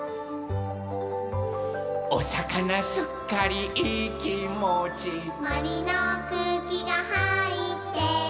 「おさかなすっかりいいきもち」「もりのくうきがはいってる」